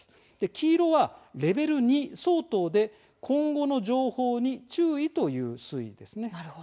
黄色はレベル２相当で今後の情報に注意という水位です。